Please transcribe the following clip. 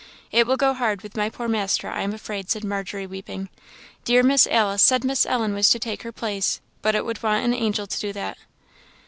It will go hard with my poor master, I am afraid," said Margery, weeping; "dear Miss Alice said Miss Ellen was to take her place; but it would want an angel to do that."